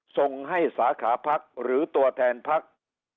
ส่งให้สาขาพักหรือตัวแทนพัก